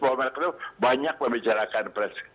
bahwa mereka itu banyak membicarakan presiden